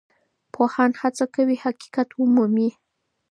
پوهان هڅه کوي چي حقیقت ومومي.